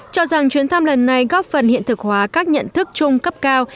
cho rằng chuyến thăm lần này góp phần hiện thực hóa các nhận thức chung cấp cao